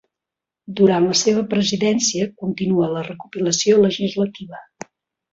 Durant la seva presidència continua la recopilació legislativa.